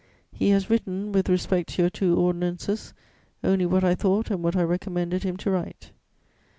He has written, with respect to your two ordinances, only what I thought and what I recommended him to write.'